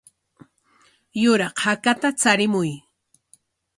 Yuraq hakata charimuy.